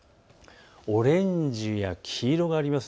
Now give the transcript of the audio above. オレンジや黄色があります。